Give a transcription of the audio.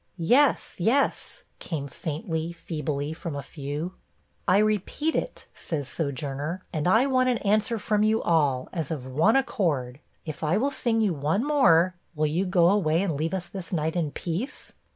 'Yes, yes,' came faintly, feebly from a few. 'I repeat it,' says Sojourner, 'and I want an answer from you all, as of one accord. If I will sing you one more, will you go away, and leave us this night in peace?'